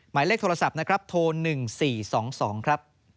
หมายเลขโทรศัพท์โทร๑๔๒๒